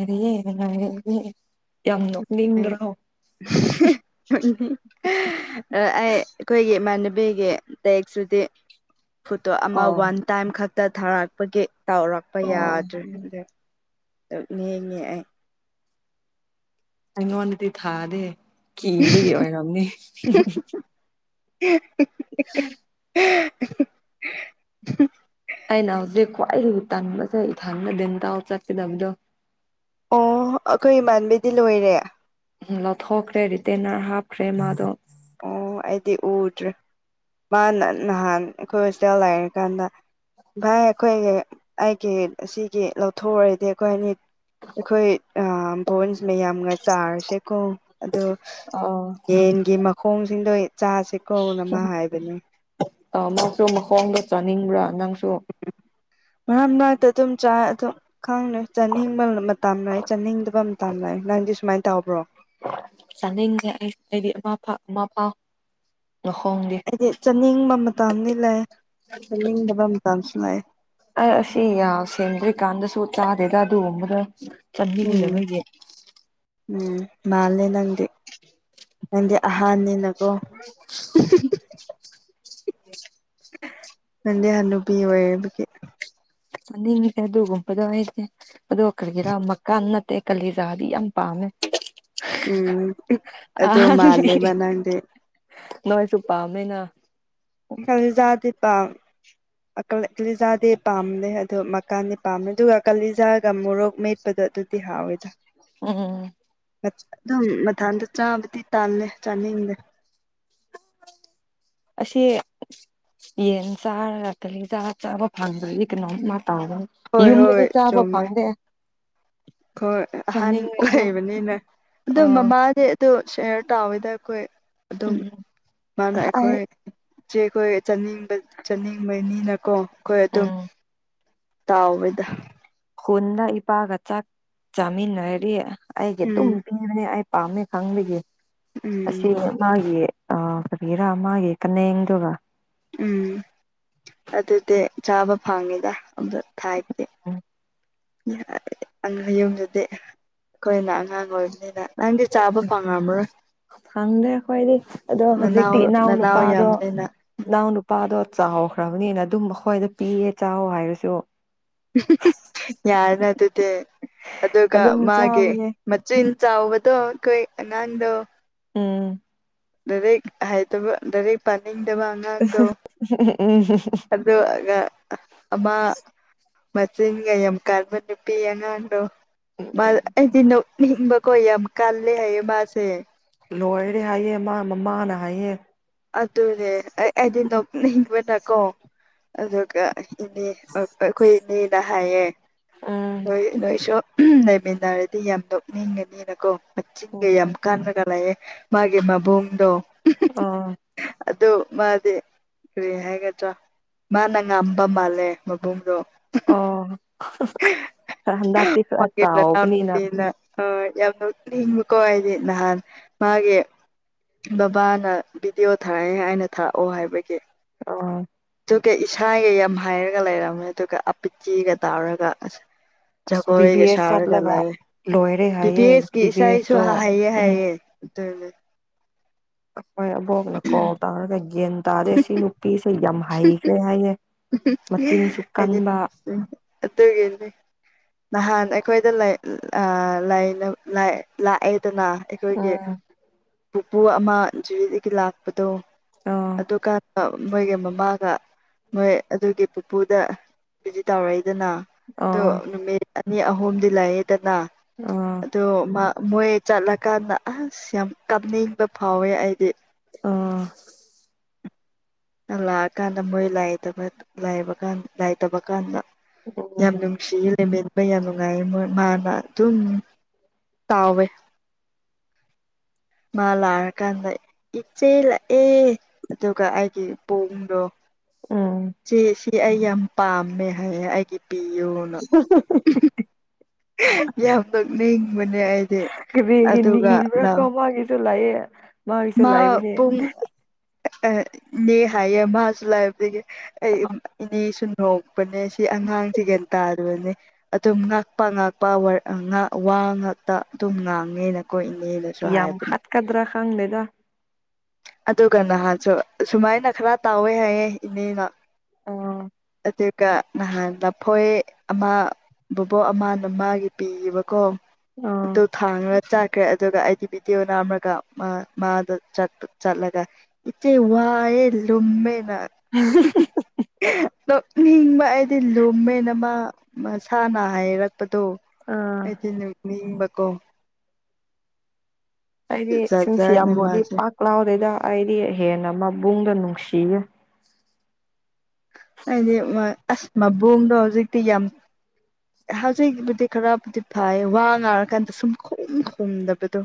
ꯦ ꯌꯥꯝ꯭ꯔꯣ ꯑꯩ ꯑꯩꯈꯣꯏꯒꯤ ꯏꯃꯥꯟ ꯄꯕꯤꯒꯤ ꯇꯦꯛꯁꯨꯗꯤ ꯐꯣꯇꯣ ꯑꯃ ꯑꯣ ꯋꯥꯟ ꯇꯥꯏꯝ ꯈꯛꯇ ꯊꯥꯔꯛꯄꯒꯤ ꯇꯧꯔꯛꯄ ꯑꯣ ꯌꯥꯗ꯭ꯔꯦ ꯑꯗ ꯑꯗꯨꯅꯦꯉ ꯑꯩ ꯑꯉ ꯋꯥꯅꯇꯤ ꯊꯥꯗꯦ ꯀꯤꯕ ꯍꯥꯏꯅꯅꯤ ꯎ [unintelligible] ꯑꯩꯅ ꯍꯧꯖꯤꯛ ꯈ꯭ꯋꯥꯏꯗꯒꯤ ꯇꯟꯕꯁꯦ ꯏꯊꯪꯅꯗꯤꯅ ꯇꯥꯎ ꯆꯠꯀꯗꯕꯗꯣ ꯑꯣ ꯑꯩꯈꯣꯏ ꯏꯃꯥꯟꯕꯤꯗꯤ ꯂꯣꯏꯔꯦ ꯎ ꯂꯧꯊꯣꯛꯈ꯭ꯔꯦ ꯔꯤꯇꯦꯟꯅꯔ ꯍꯥꯞꯈ꯭ꯔꯦ ꯃꯥꯗꯣ ꯑꯣ ꯑꯩꯗꯤ ꯎꯠ꯭ꯔꯦ ꯃꯥꯅ ꯅꯍꯥꯟ ꯑꯩꯈꯣꯏ ꯍꯣꯁꯇꯥꯦꯜ ꯂꯥꯛꯔꯀꯥꯟꯗ ꯚꯥꯏ ꯑꯩꯈꯣꯏꯒꯤ ꯑꯩꯒꯤ ꯁꯤꯒꯤ ꯂꯧꯊꯣꯛꯎꯔꯗꯤ ꯑꯩꯈꯣꯏ ꯑꯅꯤ ꯑꯩꯈꯣꯏ ꯕꯣꯟꯁ ꯃꯌꯥꯝꯒ ꯆꯥꯔꯁꯦꯀꯣ ꯑꯗꯣ ꯌꯦꯟꯒꯤ ꯃꯈꯣꯡꯁꯤꯡꯗꯣ ꯆꯥꯁꯦ ꯀꯧꯅꯃ ꯍꯥꯏꯕꯅꯤ ꯁ ꯃꯈꯣꯡꯗ ꯆꯥꯅꯤꯡꯕ꯭ꯔꯥ ꯅꯪꯁꯨ ꯃꯝ ꯅꯅꯥꯛꯇ ꯑꯗꯨꯝ ꯆ ꯈꯪꯅꯦ ꯆꯥꯅꯤꯡꯕ ꯃꯇꯝ ꯂꯥꯛꯑꯦ ꯆꯥꯅꯤꯡꯗꯕ ꯃꯇꯝ ꯂꯥꯛꯑꯦ ꯅꯪꯗꯤ ꯁꯨꯃꯥꯏꯅ ꯇꯕ꯭ꯔꯣ ꯆꯥꯅꯤꯡꯁꯦ ꯑꯩ ꯑꯩꯗꯤ ꯑꯃꯥ ꯑꯃꯥ ꯐꯥꯎ ꯃꯈꯣꯡꯗꯤ ꯍꯥꯏꯗꯤ ꯆꯥꯅꯤꯡꯕ ꯃꯇꯝꯗꯤ ꯂꯩꯥꯛ ꯆꯠꯅꯤꯡꯗꯕ ꯃꯇꯝꯁꯨ ꯂꯩꯥꯛ ꯑ ꯑꯁꯤ ꯁꯦꯝꯗ꯭ꯔꯤꯀꯥꯟꯗꯁꯨ ꯆꯥꯗꯦꯗ ꯑꯗꯨꯒꯨꯝꯕꯗ ꯎꯝ ꯎꯝ ꯃꯥꯦ ꯅꯪꯗꯤ ꯅꯪꯗꯤ [unintelligible] ꯑꯦ ꯅꯗꯤ ꯍ ꯅꯨꯨꯄꯤ ꯑꯣꯏꯌꯦ ꯑꯗꯨ ꯑꯅꯤꯡꯁꯦ ꯑꯗꯨꯒꯨꯝꯕꯗꯣ ꯑꯩꯁꯦ ꯑꯣ ꯀꯔꯤꯒꯤꯔꯥ ꯃꯈꯀꯥꯟ ꯅꯠꯇꯦ ꯀꯂꯤꯖꯥꯗꯤ ꯌꯥꯝ ꯄꯥꯝꯃꯦ [unintelligible] ꯎꯝ ꯑꯗꯣ ꯑꯍꯟꯒꯤ ꯃꯥꯂꯦꯕꯅꯗꯦ ꯅꯣꯏꯁꯨ ꯄꯝꯃꯦꯅ ꯖꯥꯗꯤꯥ ꯂꯤꯖꯥꯗꯤ ꯄꯥꯝꯅ ꯑꯗꯨ ꯀꯥꯟꯗꯤ ꯄꯥꯝꯃꯦ ꯑꯗꯨꯒ ꯀꯥꯂꯤꯖꯥꯒ ꯃꯣꯔꯣꯛ ꯃꯦꯠꯄꯗꯣ ꯑꯗꯨꯗꯤ ꯍꯥꯎꯋꯦꯗ ꯎꯝ ꯑꯗꯨꯝ ꯃꯊꯥꯟꯗ ꯆꯥꯕꯗꯤ ꯇꯥꯜꯂꯦ ꯆꯥꯅꯤꯡꯗꯦ ꯑꯁꯤ ꯌꯦꯟ ꯆꯥꯔꯥ ꯀꯂꯤ ꯆꯥ ꯆꯥꯕ ꯐꯪꯗ꯭ꯔꯒꯤ ꯀꯩꯅꯣꯝ ꯑ ꯍꯣꯏ ꯌꯨꯝꯗꯗꯤ ꯍꯣꯏ ꯆꯥꯕ ꯆꯨꯝꯃꯦ ꯐꯪꯗꯦ ꯍꯣꯏ ꯑꯍꯥꯟ ꯆꯥꯅꯤꯡꯉꯁꯨ ꯂꯩꯕꯅꯤꯅ ꯑꯣ ꯑꯥ ꯃꯃꯥꯗꯤ ꯑ ꯁꯌꯔ ꯇꯥꯎꯋꯤꯗ ꯑꯩꯈꯣꯏ ꯑꯗꯨꯝ ꯃꯥꯅ ꯑꯩ ꯑꯩꯈꯣꯏ ꯆꯦ ꯑꯩꯈꯣꯏ ꯆꯥꯅꯤꯡꯕ ꯆꯥꯅꯤꯡꯕꯅꯤꯅꯀꯣ ꯑꯩꯈꯣꯏ ꯑꯗꯨꯝ ꯎꯝ ꯇꯥꯎꯗ ꯈꯨꯟꯗ ꯏꯄꯥꯒ ꯆꯥꯛ ꯆꯥꯃꯤꯟꯅꯗꯤ ꯑꯩꯒꯤ ꯑꯗꯨꯝ ꯎꯝ ꯄꯤꯕꯅꯦ ꯄꯥꯝꯃꯤ ꯈꯪꯕꯒꯤ ꯎꯝ ꯑꯁꯤ ꯃꯥꯒꯤ ꯑ ꯀꯕꯤꯔꯥ ꯃꯥꯒꯤ ꯀꯅꯗꯨꯒ ꯎꯝ ꯑꯗꯨꯗꯤ ꯆꯥꯕ ꯐꯪꯉꯤꯗ ꯑꯝꯗ ꯊꯥꯏꯇꯦ ꯍꯌꯨꯝꯗꯨꯗꯤ ꯑꯩꯈꯣꯏꯅ ꯑꯉꯥꯡ ꯑꯣꯏꯕꯅꯤꯅ ꯅꯪꯗꯤ ꯆꯥꯕ ꯐꯪꯉꯕ꯭ꯔꯣ ꯈꯪꯗ꯭ꯔꯦ ꯑꯩꯈꯣꯏꯗꯤ ꯑꯗꯣ ꯅꯅꯥꯎ ꯍꯧꯖꯤꯛꯇꯤ ꯏꯅꯥꯎ ꯅꯅꯥꯎ ꯅꯨꯄꯥꯗꯣ ꯌꯥꯝꯕꯅꯤꯅ ꯏꯅꯥꯎ ꯅꯨꯄꯥꯗꯣ ꯆꯥꯎꯈ꯭ꯔꯕꯅꯤꯅ ꯑꯗꯨꯝ ꯃꯈꯣꯏꯗ ꯄꯤꯌꯦ ꯆꯥꯎ ꯍꯥꯏꯔꯁꯨ ꯌꯥꯔꯅ ꯑꯗꯨꯗꯤ ꯑꯗꯨꯒ ꯑꯗꯨꯝ ꯃꯥꯒꯤ ꯆꯥꯕꯅꯦ ꯃꯆꯤꯟ ꯆꯥꯎꯎꯕꯗꯣ ꯀꯣꯏ ꯑꯅꯗ ꯎꯝ ꯗꯔꯦꯛ ꯍꯥꯏꯗ ꯗꯔ ꯄ ꯍꯥꯏꯅꯤꯡꯗꯕ ꯑꯉꯥꯡꯗꯣ ꯑꯗꯨꯒ ꯑꯃ ꯃꯆꯤꯟꯒ ꯌꯥꯝ ꯀꯕ ꯅꯨꯄꯤ ꯑꯉꯥꯡꯗꯣ ꯎꯝ ꯑꯩꯗꯤ ꯈꯣꯏ ꯌꯥꯝ ꯀꯜ ꯂꯩ ꯍꯥꯏꯌꯦꯁꯦ ꯂꯣꯏꯔꯦ ꯍꯥꯏꯌꯦꯦ ꯃꯥ ꯃꯃꯥꯅ ꯍꯥꯏꯌꯦꯦ ꯑꯗꯨꯅꯦ ꯑꯩꯗꯤ ꯅ ꯍꯤꯡꯕ ꯅꯀꯣ ꯑꯗꯨꯒ ꯏꯅꯦ ꯑꯩꯈꯣꯏ ꯏꯅꯦꯅ ꯍꯥꯏꯌꯦ ꯎꯝ ꯍꯣꯏ ꯅꯣꯏꯁꯨ ꯂꯩꯃꯤꯟꯅꯔꯗꯤ ꯌꯥꯝ ꯅꯣꯛꯅꯤꯡꯉꯅꯤꯅꯀꯣ ꯃꯆꯤꯟꯒ ꯎꯝ ꯌꯥꯝ ꯀꯥꯟꯅꯒ ꯂꯥꯛꯑꯦ ꯃꯥꯒꯤ ꯃꯕꯨꯡꯗꯣ ꯑꯥ ꯑꯗꯨ ꯃꯥꯗꯤ ꯀꯔꯤ ꯍꯥꯏꯒꯗ꯭ꯔꯥ ꯃꯥꯅ ꯉꯝꯕ ꯃꯥꯜꯂꯦ ꯃꯕꯨꯡꯗꯣ ꯑꯣ ꯈꯔ ꯍꯟꯗꯛꯇꯤ ꯈꯔ ꯆꯥꯎꯕꯅꯤꯅ ꯍꯣꯏ ꯌꯥꯝ ꯅꯅꯤꯡꯕꯀꯣ ꯑꯩꯗꯤ ꯅꯍꯥꯟ ꯃꯥꯒꯤ ꯕꯕꯥꯅ ꯚꯤꯗꯤꯑꯣ ꯊꯥꯔꯛꯑꯦ ꯑꯩꯅ ꯊꯥꯔꯛꯑꯣ ꯍꯥꯏꯕꯒꯤ ꯑ ꯑꯗꯨꯒ ꯏꯁꯥꯒ ꯌꯥꯝ ꯍꯥꯏꯔꯒ ꯂꯩꯔꯝꯃꯦ ꯑꯗꯨꯒ ꯑꯄꯤꯆꯦꯒ ꯇꯥꯎꯔꯒ ꯑꯁ ꯑꯁ ꯆꯒ ꯕꯤ ꯕꯤ ꯀ ꯑꯦꯁ ꯁꯔꯒ ꯆꯠꯂꯒ ꯂꯑ ꯂꯣꯏꯔꯦ ꯄꯤꯇꯤ ꯍꯥꯏꯌꯦ ꯑꯦꯁꯀꯤ ꯕꯤ ꯕꯤ ꯏꯁꯥꯁꯨ ꯑꯦꯁꯇꯣ ꯍꯥꯏꯌꯦꯦ ꯍꯥꯏꯑ ꯑꯗꯨꯅꯦ ꯑꯩꯈꯣꯏ ꯑꯕꯣꯛꯅ ꯀꯣ ꯇꯥꯔꯒ ꯌꯦꯒꯟ ꯇꯥꯔꯦ ꯁꯤ ꯅꯨꯄꯤꯁꯦ ꯌꯥꯝ ꯍꯩꯈ꯭ꯔꯦ ꯍꯥꯏꯌꯦꯦ ꯑꯗꯨꯠꯇꯒ ꯅꯍꯥꯟ ꯑꯩꯈꯣꯏꯗ ꯂꯥꯛꯑꯦ ꯅꯠꯇꯅ ꯑꯩꯈꯣꯏꯒꯤ ꯎꯝ ꯄꯨꯄꯨ ꯑꯃ ꯖꯤꯨꯔꯤꯗꯒꯤ ꯂꯥꯛꯄꯗꯣ ꯑ ꯑꯗꯨꯀꯥꯟꯗ ꯃꯣꯏꯒ ꯃꯃꯥꯒ ꯃꯣꯏ ꯑꯗꯨꯒꯤ ꯄꯨꯄꯨꯗ ꯚꯖꯤꯠ ꯇꯧꯔꯛꯏꯗꯅ ꯑꯗꯣ ꯑꯣ ꯅꯨꯃꯤꯠ ꯑꯅꯤ ꯑꯍꯨꯝꯗꯤ ꯂꯩꯌꯦꯗꯅ ꯑꯣ ꯑ ꯃꯣꯏ ꯆꯠꯂꯀꯥꯟꯗ ꯑꯁ ꯌꯥꯝ ꯀꯥꯞꯅꯤꯡꯕ ꯐꯥꯎꯋꯦ ꯑꯩꯗꯤ ꯑꯥ ꯂꯥꯛꯑꯀꯥꯟꯗ ꯃꯣꯏ ꯂꯥꯏ ꯂꯥꯏꯕ ꯀꯥꯟ ꯂꯥꯏꯇꯕ ꯀꯥꯟꯗ ꯌꯥꯝ ꯅꯨꯡꯁꯤꯃꯦ ꯌꯥꯝ ꯅꯨꯡꯉꯥꯏ ꯃꯣꯏ ꯃꯥꯅ ꯑꯗꯨꯝ ꯇꯥꯎꯋꯦ ꯃꯥ ꯂꯥꯛꯔꯀꯥꯟꯗ ꯏꯆꯦ ꯂꯥꯛꯑꯦ ꯑꯗꯨꯒ ꯑꯩꯒꯤ ꯄꯗꯣ ꯑꯥ ꯑꯩ ꯌꯥꯝ ꯄꯥꯝꯃꯦ ꯍꯥꯏꯌꯦ ꯑꯩꯒꯤ ꯄꯤꯌꯨꯅ [inaudible] ꯌꯥꯝ ꯅꯣꯛꯅꯤ ꯕꯤꯒꯅꯤꯕ ꯀꯝꯒꯗꯂꯌꯦ ꯃꯁꯨ ꯂꯥꯏꯕ ꯑ ꯏꯅꯦ ꯍꯥꯏꯌꯦ ꯃꯥꯁꯨ ꯂꯥꯛꯑꯕꯗꯒꯤ ꯑꯩ ꯏꯅꯦꯁꯨ ꯅꯣꯡ ꯄꯄꯅꯦ ꯁꯤ ꯑꯉꯥꯡꯁꯤ ꯒꯌꯥꯟ ꯇꯥꯔꯨꯕꯅꯦ ꯑꯗꯨꯝ ꯉꯥꯛꯄ ꯉꯥꯛꯄ ꯋꯥ ꯉꯥꯛꯇ ꯑꯗꯨꯝ ꯉꯥꯡꯉꯦꯅ ꯌꯥꯝ ꯀꯣꯏꯅꯦꯗꯁꯨꯍꯕꯅꯤ ꯍꯥꯠꯀꯗ꯭ꯔꯥ ꯈꯪꯗꯦꯗ ꯑꯗꯨ ꯀꯅ ꯍꯥꯏꯁꯨ ꯁꯨꯃꯥꯏꯅ ꯈꯔ ꯇꯥꯎꯋꯦ ꯍꯥꯏꯌꯦꯦ ꯏꯅꯦꯅ ꯑꯥ ꯑꯗꯨꯒ ꯅꯍꯥꯟ ꯂꯐꯣꯏ ꯑꯃ ꯕꯕꯣꯛ ꯑꯃꯅ ꯃꯥꯒꯤ ꯄꯤꯌꯦꯕꯀꯣ ꯑꯥ ꯇ ꯊꯥꯡꯅ ꯆ ꯈ꯭ꯔꯦ ꯑꯗꯨꯒ ꯑꯩꯗꯤ ꯕꯤꯗꯤꯑꯣ ꯅꯅꯥꯝꯃꯒ ꯃꯥꯗ ꯆꯠꯂꯒ ꯏꯆꯦ ꯋꯥꯏ ꯂꯃꯦꯅ ꯅꯣꯛꯅꯤꯡꯕ ꯑꯩꯗꯤ ꯂꯨꯝꯃꯦꯟ ꯑꯃ ꯃꯁꯥꯅ ꯍꯥꯏꯔ ꯄꯇꯣ ꯑꯥ ꯑꯩꯗꯤ ꯅꯨ ꯃꯤꯕꯀꯣ ꯍꯥꯏꯗꯤ ꯖꯥꯠ ꯁꯤꯟꯁꯤ ꯖꯥꯠꯅꯦ ꯌꯥꯝꯕꯗꯤ ꯃꯥꯁꯦ ꯄꯥꯛꯂꯥꯎꯑꯣꯗꯩꯗ ꯑꯩꯗꯤ ꯍꯦꯟꯅ ꯃꯕꯨꯡꯗ ꯅꯨꯡꯁꯤꯌꯨ ꯍꯥꯏꯗꯤ ꯑꯁ ꯃꯕꯨꯡꯗꯣ ꯍꯧꯖꯤꯛꯇꯤ ꯌꯥꯝ ꯍꯧꯖꯤꯛꯕꯨꯗꯤ ꯈꯔꯕꯨꯗꯤ ꯐꯥꯏ ꯋꯥ ꯉꯥꯔꯀꯥꯟꯗ ꯁꯨꯝ ꯈꯣ ꯈꯣꯣꯡꯗꯕꯗꯣ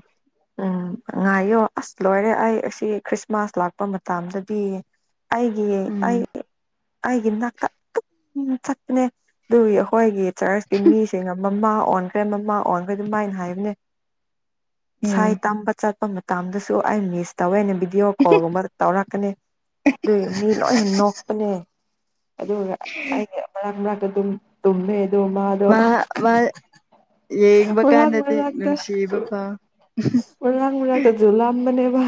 ꯎꯝ ꯉꯥꯏꯌꯣ ꯑꯁ ꯂꯣꯏꯔꯦ ꯑꯩ ꯑꯁꯤ ꯈ꯭ꯔꯤꯁꯃꯥꯁ ꯂꯥꯛꯄ ꯃꯇꯝꯗꯗꯤ ꯑꯩꯒꯤꯦ ꯑꯩ ꯎꯝ ꯑꯩꯒꯤ ꯅꯥꯀꯛ ꯑꯗꯨꯝ ꯆꯠꯄꯅꯦ ꯑꯗꯨꯒꯤ ꯑꯩꯈꯣꯏꯒꯤ ꯆꯔꯆꯀꯤ ꯃꯤꯁꯤꯡ ꯃꯃꯥ ꯑꯣꯟꯈ꯭ꯔꯦ ꯃꯃꯥ ꯑꯣꯟꯈ꯭ꯔꯦ ꯑꯗꯨꯃꯥꯏꯅ ꯍꯥꯏꯕꯅꯦ ꯏꯁꯥ ꯎꯝ ꯇꯝꯕ ꯆꯠꯄ ꯃꯇꯝ ꯇꯥꯝꯗꯁꯨ ꯑꯩ ꯃꯤꯁ ꯇꯧꯋꯦ ꯑꯩꯅ ꯚꯤꯗꯤꯑꯣ ꯀꯣꯜꯒꯨꯝꯕ ꯇꯧꯔꯛꯀꯅꯤ ꯑꯗꯨꯏ ꯃꯤ ꯂꯣꯏꯅ ꯅꯣꯛꯄꯅꯦ ꯑꯗꯨꯒ ꯑꯩꯒꯤ ꯃꯔꯛ ꯃꯔ ꯇꯨꯝꯃꯦ ꯑꯗꯣ ꯃꯥꯗꯣ ꯃꯥ ꯃꯥ ꯌꯦꯡꯕ ꯃꯔꯔꯥꯛ ꯀꯥꯟꯗꯗꯤ ꯃꯔꯔꯥꯛꯇ ꯅꯨꯡꯁꯤꯕ ꯐꯥꯎ ꯎꯔꯥꯡ ꯃꯔꯇ ꯖꯨꯂꯂꯝ ꯃꯅꯦꯕ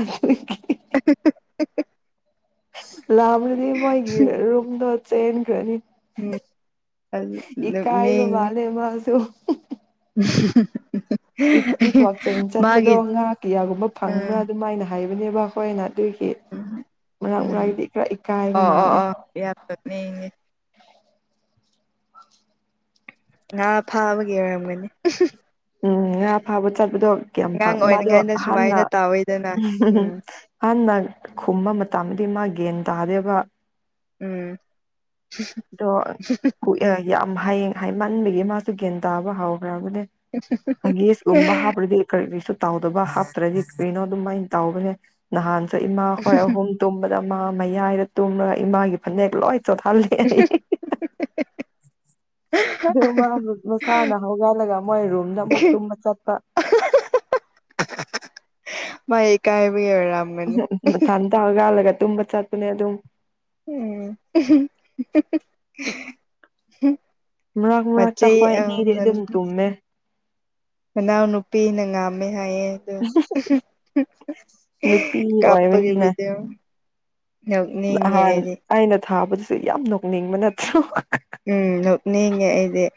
[inaudible] ꯂꯗꯤ ꯃꯣꯏꯔꯨꯝꯗꯣ ꯆ ꯈꯅꯤ ꯎꯝ ꯃꯤ ꯏꯀꯥꯏꯕ ꯃꯥꯜꯂꯦ ꯃꯥꯁꯨ ꯎꯝ [unintelligible] ꯊꯋꯥꯛ ꯆꯦꯡ ꯆꯠꯄꯗꯣ ꯉꯥ ꯀꯌꯥꯒꯨꯝꯕ ꯐꯪꯕ꯭ꯔꯥ ꯎꯝ ꯑꯗꯨꯃꯥꯏꯅ ꯍꯥꯏꯕꯅꯦꯕ ꯑꯩꯈꯣꯏꯅ ꯑꯗꯨꯒꯤ ꯃꯅꯥꯛ ꯎꯝ ꯃꯔꯥꯡꯒꯤꯗꯤ ꯈꯔ ꯏꯀꯥꯏꯕ ꯑꯣ ꯑꯣ ꯃꯥꯜꯂꯦ ꯑꯣ ꯌꯥꯝ ꯅꯣꯛꯅꯤꯡꯉꯦ ꯉꯥ ꯐꯥꯕꯒꯤ ꯑꯣꯏꯔꯝꯒꯅꯤ ꯎꯝ ꯉꯥ ꯐꯥꯕ ꯆꯠꯄꯗꯣ ꯑꯉꯥꯡ ꯀꯌꯥꯝꯪ ꯃꯥꯗꯣ ꯑꯣꯏꯔꯤꯉꯩꯗ ꯑꯍꯅ ꯁꯨꯃꯥꯏꯅ ꯇꯥꯎꯋꯤꯗꯅ ꯎꯝ ꯍꯅ ꯈꯨꯝꯕ ꯃꯇꯝꯗꯗꯤ ꯃꯥ ꯒꯟ ꯇꯥꯗꯦꯕ ꯎꯝ ꯑꯗꯣ ꯀ ꯌꯥꯝ ꯍꯌꯦꯡ ꯃꯟꯕꯒꯤ ꯃꯥꯁꯨ ꯒ꯭ꯌꯥꯟ ꯇꯥꯕ ꯍꯥꯎꯋꯦ ꯕꯅꯦ ꯍꯪꯒꯦꯁꯒꯨꯝꯕ ꯍꯥꯞꯄ꯭ꯔꯗꯤ ꯀꯔꯤ ꯇꯥꯎꯗꯕ ꯍꯥꯞꯇ꯭ꯔꯗꯤ ꯀꯩꯅꯣ ꯑꯗꯨꯃꯥꯏꯅ ꯇꯥꯎꯕꯅꯦ ꯅꯍꯥꯟꯁꯨ ꯏꯃꯥ ꯍꯣꯏ ꯑꯍꯨꯝ ꯇꯨꯝꯕꯗ ꯏꯃꯥ ꯃꯌꯥꯏꯗ ꯇꯨꯝꯂꯒ ꯏꯃꯥꯒꯤ ꯐꯅꯦꯛ ꯂꯣꯏ ꯆꯣꯊꯥꯜꯂꯤ [inaudible] ꯑꯗꯨ ꯃꯁꯥꯅ ꯍꯧꯒꯠꯂꯒ ꯃꯣꯏ ꯔꯨꯝꯗ ꯑꯃꯨꯛ ꯇꯨꯝꯕ ꯆꯠꯄ [inaudible] ꯃꯥꯑꯥꯏ ꯎ ꯊꯟꯊꯒꯥꯜꯂꯒ ꯇꯨꯝꯕ ꯆꯠꯄꯅꯦ ꯑꯗꯨꯝ ꯎꯝ ꯃꯔꯛ ꯃꯔꯛꯇ ꯃꯆꯦ ꯍꯣꯏ ꯑ ꯑꯅꯤꯗꯤ ꯑꯗꯨꯝ ꯇꯨꯝꯃꯦ ꯅꯅꯥ ꯅꯨꯄꯤꯤ ꯅꯪ ꯑꯃꯦ ꯌꯥꯗ ꯅꯨꯄꯤ ꯑꯣꯏꯕꯅꯤꯅ ꯀꯥꯄꯔꯕꯗꯤ ꯅꯍꯥꯟ ꯑꯩꯅ ꯊꯥꯕꯗꯨꯁꯨ ꯌꯥꯝ ꯅꯣꯛꯅꯤꯡꯕ ꯅꯠꯇ꯭ꯔꯣ ꯎꯝ ꯂꯣꯛꯅꯤꯡꯉꯦ ꯑꯩꯗꯤꯦ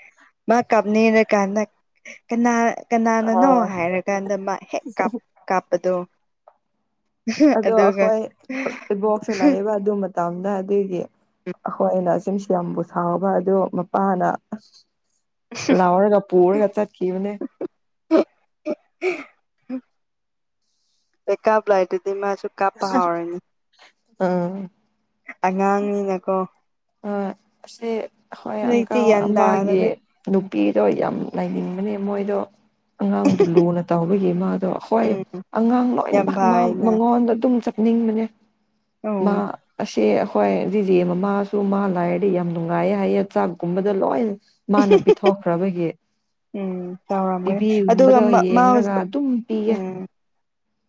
ꯃꯥ ꯀꯥꯞꯅꯤꯡꯔꯀꯥꯟꯗ ꯀꯅꯥ ꯀꯅꯥꯅꯅꯣ ꯑꯥ ꯍꯥꯏꯔꯀꯥꯟꯗ ꯃꯥ ꯍꯦꯛ ꯀꯥꯞꯄꯗꯣ ꯑꯗꯣ ꯑꯗꯨꯒ ꯑꯩꯈꯣꯏ ꯏꯕꯣꯛꯁ ꯂꯥꯛꯑꯕ ꯑꯗꯨ ꯃꯇꯝꯗ ꯑꯗꯨꯏꯗꯤ ꯑꯩꯈꯣꯏ ꯑꯅ ꯁꯨꯝꯁꯨ ꯌꯥꯝꯕꯨ ꯁꯥꯎꯕ ꯑ ꯃꯄꯥꯅ ꯔꯥꯎꯔꯒ ꯄꯨꯔꯒ ꯆꯠꯀꯤ ꯃꯅꯦ ꯃꯦꯀꯥꯄ ꯂꯥꯏꯇ ꯑꯗꯨꯗꯤ ꯃꯥꯁꯨ ꯀꯥꯞꯄ ꯍꯥꯎꯔꯅꯤ ꯑꯥ ꯑꯉꯥꯡꯅꯤꯅꯀꯣ ꯑꯁꯤ ꯍꯣꯏ ꯍꯧꯖꯤꯛꯇꯤ ꯑꯪꯀꯜ ꯒ꯭ꯌꯥꯟ ꯑꯃꯒꯤ ꯇꯥꯗꯕꯩ ꯅꯨꯄꯤꯗꯣ ꯌꯥꯝ ꯂꯩꯅꯤꯡꯕꯅꯦ ꯃꯣꯏꯗꯣ ꯑꯉꯥꯡꯗꯨ ꯂꯨꯅ ꯇꯧꯕꯒꯤ ꯃꯥꯗꯣ ꯍꯣꯏ ꯎꯝ ꯑꯉꯥꯡ ꯌꯥꯝ ꯂꯣꯏꯅꯃꯛ ꯃꯥ ꯐꯥꯏꯅ ꯃꯉꯣꯟꯗ ꯑꯗꯨꯝ ꯅꯤꯡꯕꯅꯦ ꯃꯥ ꯎꯝ ꯑꯁꯦ ꯑꯩꯈꯣꯏ ꯖꯤꯖꯦ ꯃꯃꯥ ꯁꯨ ꯃꯥ ꯂꯥꯏꯔꯗꯤ ꯌꯥꯝ ꯅꯨꯡꯉꯥꯏꯌꯦ ꯍꯥꯏꯌꯦ ꯆꯥꯛꯀꯨꯝꯕꯗ ꯂꯣꯏ ꯃꯥꯅ ꯄꯤꯊꯣꯛꯈ꯭ꯔꯕꯒꯤ ꯎꯝ ꯆꯥꯎꯥꯎꯔꯝꯒꯅꯤ ꯑꯗꯨꯒ ꯇꯤꯚꯤꯒꯨꯝꯕꯗ ꯃꯥ ꯌꯦꯡꯔꯒ ꯑꯗꯨꯝ ꯄꯤꯌꯦ ꯎꯝ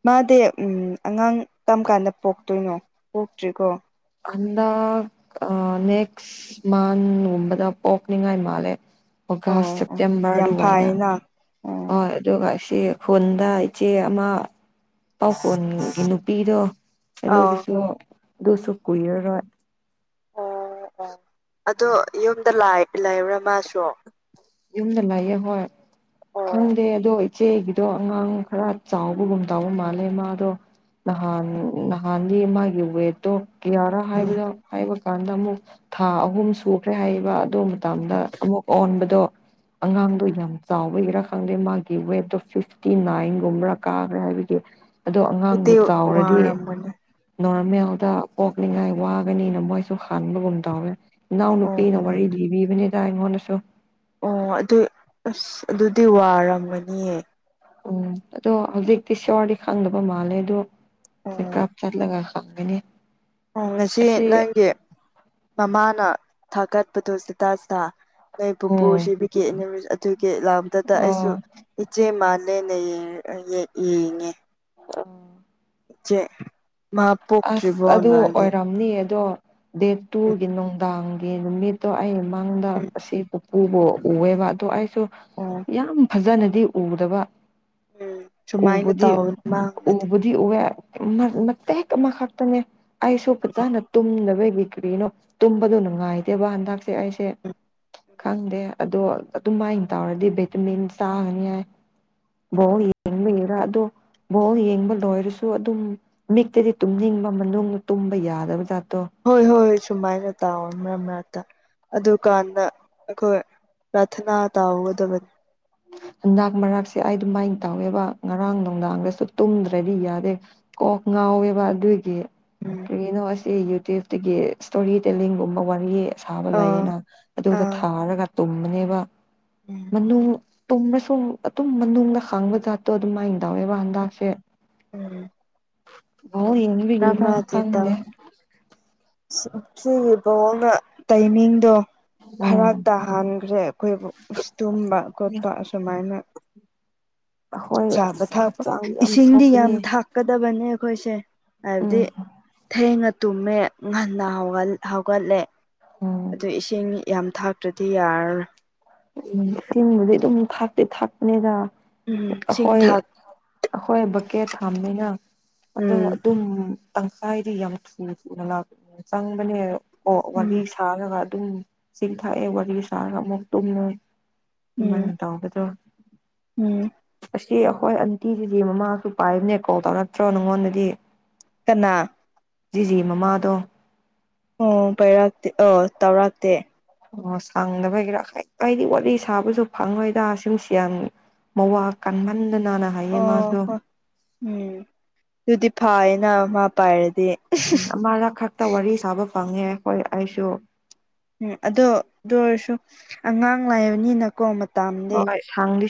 ꯃꯥꯗꯤ ꯎꯝ ꯑꯉꯥꯡ ꯀꯔꯝ ꯀꯥꯟꯗ ꯄꯣꯛꯇꯣꯏꯅꯣ ꯄꯣꯛꯇ꯭ꯔꯤꯀꯣ ꯍꯟꯗꯛ ꯑꯥ ꯅꯦꯛꯁ ꯃꯟꯒꯨꯝꯕꯗ ꯄ‌ꯣꯛꯅꯤꯡꯉꯥꯏ ꯃꯥꯜꯂꯦ ꯑꯣ ꯑꯣꯒꯁ ꯑꯣ ꯁꯦꯞꯇꯦꯝꯕꯔ ꯌꯥꯝ ꯑꯗꯨꯋꯥꯏꯗ ꯐꯥꯏꯅ ꯍ ꯎꯝ ꯑꯗꯨꯒ [unintelligible] ꯈꯨꯟꯗ ꯏꯆꯦ ꯑꯃ ꯄꯥꯎꯈꯣꯟꯒꯤ ꯅꯨꯄꯤꯗꯣ ꯑꯥꯎ ꯑꯗꯨꯗꯨꯁꯨ ꯑꯗꯨꯁꯨ ꯀꯨꯏꯔꯔꯣꯏ ꯑꯗ‌ꯣ ꯌꯨꯝꯗ ꯂꯥꯏ ꯂꯩꯕ꯭ꯔꯥ ꯃꯥꯁꯨ ꯌꯨꯝꯗ ꯂꯩꯌ‌ꯦ ꯍꯣꯏ ꯈꯪꯗꯦ ꯑꯗꯣ ꯏꯆꯦꯒꯤꯗꯣ ꯑꯉꯥꯡ ꯈꯔ ꯆꯥꯎꯕꯒꯨꯝ ꯇꯥꯎꯕ ꯃꯥꯜꯂꯦ ꯃꯥꯗꯣ ꯅꯍꯥꯟ ꯅꯍꯥꯟ ꯃꯥꯒꯤ ꯋꯦꯠꯇꯣ ꯀꯌꯥꯔꯥ ꯍꯥꯏꯕꯗ ꯍꯥꯏꯕ ꯀꯥꯟꯗ ꯑꯃꯨꯛ ꯊꯥ ꯑꯍꯨꯝ ꯁꯨꯈ꯭ꯔꯦ ꯍꯥꯏꯕ ꯑꯗꯨ ꯃꯇꯝꯗ ꯑꯃꯨꯛ ꯑꯣꯟꯕꯗꯣ ꯑꯉꯥꯡꯗꯣ ꯌꯥꯝ ꯆꯥꯎꯕ ꯑꯣꯏꯒꯦꯔꯥ ꯈꯪꯗꯦ ꯃꯥꯒꯤ ꯋꯦꯠꯇꯣ ꯐꯤꯐꯇꯤ ꯅꯥꯏꯟꯒꯨꯝꯕ꯭ꯔꯥ ꯀꯥꯈ꯭ꯔꯦ ꯍꯥꯏꯕꯒꯤ ꯑꯗꯣ ꯑꯉꯥꯡꯕꯨ ꯑꯗꯨꯗꯤ ꯆꯥꯎꯔꯗꯤ ꯋꯥꯔꯝꯒꯅꯤ ꯅꯣꯔꯃꯦꯜꯗ ꯄꯣꯛꯂꯤꯉꯥꯏ ꯋꯥꯒꯅꯤꯅ ꯃꯣꯏꯁꯨ ꯍꯥꯟꯕꯒꯨꯝ ꯇꯧꯋꯦ ꯏꯅꯥꯎ ꯑꯣ ꯅꯨꯨꯄꯤꯅ ꯋꯥꯔꯤ ꯂꯤꯕꯤꯕꯅꯤꯗ ꯑꯩꯉꯣꯟꯗꯁꯨ ꯑꯣ ꯑꯗꯨ ꯑꯁ ꯑꯗꯨꯗꯤ ꯋꯥꯔꯝꯒꯅꯤꯌꯦ ꯎꯝ ꯑꯗꯣ ꯍꯧꯖꯤꯛꯇꯤ ꯁꯤꯌꯣꯔꯗꯤ ꯈꯪꯗꯕ ꯃꯥꯜꯂꯦ ꯑꯗꯣ ꯑꯣ ꯆꯦꯛꯞ ꯆꯠꯂꯒ ꯊꯒꯅꯤ ꯑꯣ ꯉꯁꯤ ꯅꯪꯒꯤ ꯃꯃꯥꯅ ꯊꯥꯀꯠꯄꯗꯨꯣ ꯆꯇꯥꯁꯤ ꯅꯣꯏ ꯄꯨꯄꯨ ꯎꯝ ꯁꯤꯕꯤꯒꯦ ꯀ ꯂꯥꯎꯗꯨꯗ ꯑꯩꯁꯨ ꯑꯣ ꯏꯆꯦ ꯃꯥꯜꯂꯦꯅ ꯌꯦꯡꯉꯦ ꯎ ꯏꯆꯦ ꯃꯥ ꯑꯁ ꯄ‌ꯣꯛꯇꯔꯤꯕ‌ꯣ ꯑꯗꯨ ꯅ‌ꯣꯏꯗꯤ ꯑꯣꯏꯔꯝꯅꯤ ꯑꯗꯣ ꯗꯦꯠ ꯇꯨꯒꯤ ꯅꯨꯡꯗꯥꯡꯒꯤ ꯅꯨꯃꯤꯠꯇꯣ ꯑꯩ ꯃꯪꯗ ꯎꯝ ꯑꯁꯤ ꯎꯕꯨ ꯎꯑꯦꯕ ꯑꯗꯣ ꯑꯩꯁꯨ ꯑꯣ ꯌꯥꯝ ꯐꯖꯅꯗꯤ ꯎꯗꯕ ꯎꯝ ꯁꯨꯃꯥꯏꯅ ꯑꯣꯕꯗꯤ ꯇꯧꯕꯅꯤ ꯃꯥꯡꯕꯗꯤ ꯎꯕꯗꯤ ꯑꯣꯋ ꯍꯦꯛ ꯑꯃꯈꯛꯇꯅꯦ ꯑꯩꯁꯨ ꯐꯖꯅ ꯇꯨꯝꯗꯕ ꯀ꯭ꯔꯤꯅꯣ ꯇꯨꯝꯕꯗꯣ ꯅꯨꯡꯉꯥꯏꯗꯦꯕ ꯍꯟꯗꯛꯁꯦ ꯑꯩꯁꯦ ꯎꯝ ꯎꯝ ꯈꯪꯗꯦ ꯑꯗꯣ ꯑꯗꯨꯝ ꯃꯥꯏꯅ ꯇꯧꯔꯗꯤ ꯚꯩ ꯇꯃꯤꯦꯟ ꯆꯥꯒꯅꯤ ꯌꯥꯏ ꯕꯣꯔ ꯌꯦꯡꯕꯒꯤꯔꯥ ꯑꯗꯣ ꯕꯣꯔ ꯌꯦꯡꯕ ꯂꯣꯏꯔꯁꯨ ꯑꯗꯨꯝ ꯃꯤꯛꯇꯗꯤ ꯇꯨꯝꯅꯤꯡꯕ ꯃꯅꯨꯡꯗ ꯇꯨꯝꯕ ꯌꯥꯗꯕ ꯖꯥ ꯍꯣꯏ ꯍꯣꯏ ꯍꯣꯏ ꯁꯨꯃꯥꯏꯅ ꯇꯥꯑꯣꯅꯦ ꯃꯔꯛ ꯃꯔꯛꯇ ꯑꯗꯨꯀꯥꯟꯗ ꯑꯩꯈꯣꯏ ꯄ꯭ꯔꯥꯊꯅꯥ ꯇꯥꯎꯒꯗꯕꯅꯤ ꯎ ꯅꯛ ꯃꯔꯛꯁꯦ ꯑꯩ ꯑꯗꯨꯃꯥꯏꯅ ꯇꯧꯋꯦꯕ ꯉꯔꯥꯡ ꯅꯨꯡꯗꯥꯡꯗꯁꯨ ꯇꯨꯝꯗ꯭ꯔꯗꯤ ꯌꯥꯗꯦ ꯀꯣꯛ ꯍꯥꯎꯋꯦꯕ ꯑꯗꯨꯒꯤ ꯎꯝ ꯀꯔꯤꯅꯣ ꯑꯁꯤ ꯌꯨꯇ꯭ꯌꯨꯕꯇꯒꯤ ꯏꯁꯇꯣꯔꯤ ꯇꯦꯂꯤꯡꯒꯨꯝꯕ ꯋꯥꯔꯤ ꯑꯁꯥꯕ ꯑꯥ ꯂꯩꯌꯦꯅ ꯑꯗꯨꯗ ꯑꯥ ꯊꯥꯔꯒ ꯇꯨꯝꯕꯅꯦꯕ ꯎꯝ ꯃꯅꯨ ꯇꯨꯝꯅꯁꯨ ꯑꯗꯨꯝ ꯃꯅꯨꯡꯗ ꯈꯥꯡꯕ ꯖꯥꯠꯇꯣ ꯑꯗꯨꯝꯃꯥꯏꯅ ꯇꯎꯋꯦꯕ ꯍꯟꯗꯁꯦ ꯎꯝ ꯔꯝ ꯌꯦꯡꯕꯒꯤꯔ ꯔꯖꯤꯦ ꯇ ꯈꯪꯗꯦ ꯁꯤꯒꯤ ꯕꯑꯣꯡꯅ ꯇꯥꯏꯃꯤꯡꯗꯣ ꯎꯝ ꯐꯔꯥꯛ ꯇꯥꯍꯟꯈ꯭ꯔꯦ ꯑꯩꯈꯣꯏꯕꯨ ꯇꯨꯝꯕ ꯈꯣꯠꯄ ꯑ ꯁꯁꯨꯃꯥꯏꯅ ꯑꯩꯈꯣꯏ ꯆꯥꯕ ꯑꯁ ꯊꯥꯛꯄ ꯍꯛꯆꯥꯡ ꯌꯥꯝ ꯏꯁꯤꯡꯗꯤ ꯌꯥꯝ ꯁꯣꯛꯀꯅꯤ ꯊꯥꯛꯀꯗꯕꯅꯦ ꯑꯩꯈꯣꯏꯁꯦ ꯍꯥꯏꯕꯗꯤ ꯎꯝ ꯊꯦꯡꯅ ꯇꯨꯝꯃꯦ ꯉꯟꯅ ꯍꯧꯒꯠꯂꯦ ꯎꯝ ꯑꯗꯨ ꯏꯁꯤꯡ ꯌꯥꯝ ꯊꯥꯛꯇ꯭ꯔꯗꯤ ꯌꯥꯔ ꯎꯝ ꯁꯤꯤꯡꯕꯨꯗꯤ ꯑꯗꯨꯝ ꯊꯥꯛꯇꯤ ꯊꯥꯛꯄꯅꯤꯅ ꯎꯝ ꯏꯁꯤꯡ ꯑꯩꯈꯣꯏ ꯊꯥꯛ ꯑꯩꯈꯣꯏ ꯕꯀꯦꯠ ꯐꯝꯅꯤꯅ ꯑꯗꯣ ꯎꯝ ꯑꯗꯨꯝ ꯇꯪꯈꯥꯏꯗꯤ ꯌꯥꯝ ꯊꯨ ꯊꯨꯅ ꯆꯪꯕꯅꯦ ꯑꯣ ꯎꯝ ꯋꯥꯔꯤ ꯁꯥꯔꯒ ꯇꯨꯝ ꯆꯤꯡ ꯊꯥꯛꯑꯦ ꯋꯥꯔꯤ ꯁꯥꯔꯒ ꯑꯃꯨꯛ ꯇꯨꯝꯃꯦꯣꯏ ꯎꯝ ꯏꯃꯥꯟ ꯇꯕꯗ꯭ꯔꯣ ꯎꯝ ꯑ ꯁꯤ ꯑꯩꯈꯣꯏ ꯑꯟꯇꯤꯁꯤꯗꯤ ꯃꯃꯥꯁꯨ ꯄꯥꯏꯕꯅꯦ ꯀꯣꯜ ꯇꯧꯔꯛꯇ꯭ꯔꯣ ꯅꯪꯉꯣꯟꯗꯗꯤ ꯀꯅꯥ ꯖꯤꯖꯤ ꯃꯃꯥꯗꯣ ꯑꯣ ꯄꯩꯔꯛꯇꯦ ꯑ ꯇꯧꯔꯛꯇꯦ ꯑꯣ ꯁꯥꯡꯗꯕꯒꯦꯔꯥ ꯀꯗꯤ ꯋꯥꯔꯤꯠꯂꯤ ꯁꯥꯕꯁꯨ ꯐꯪꯉꯣꯏꯗ ꯁꯨꯝ ꯁꯤ ꯌꯥꯝꯅꯤ ꯃꯧꯋꯥ ꯀꯥꯡꯃꯟꯗꯅ ꯑꯣ ꯍ ꯎꯝ ꯇꯗꯤ ꯐꯦꯅ ꯃꯥ ꯄꯥꯏꯦ ꯎꯝ ꯑꯃꯅ ꯈꯛꯇ ꯋꯥꯔꯤ ꯁꯥꯕ ꯐꯪꯉꯦ ꯍꯣꯏ ꯑꯩꯁꯨ ꯎꯝ ꯑꯗꯨꯗ ꯑꯗꯨ ꯑꯣꯏꯔꯁꯨ ꯑꯉꯥꯡ ꯂꯥꯏꯕꯅꯤꯅꯀꯣ ꯃꯇꯝꯗꯤ ꯍꯣꯏ ꯊꯥꯡꯂꯤ